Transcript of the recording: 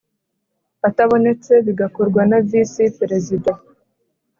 atabonetse bigakorwa na Visi Perezida